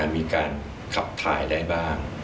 มีการขับถ่ายได้บ้าง